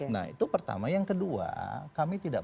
nah itu pertama yang kedua kami tidak